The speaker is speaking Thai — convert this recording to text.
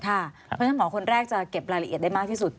เพราะฉะนั้นหมอคนแรกจะเก็บรายละเอียดได้มากที่สุด